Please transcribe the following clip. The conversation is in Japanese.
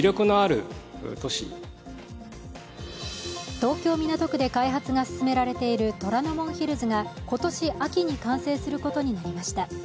東京・港区で開発が進められている虎ノ門ヒルズが今年秋に完成することになりました。